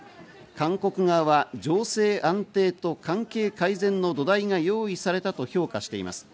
韓国側は情勢安定と関係改善の土台が用意されたと評価しています。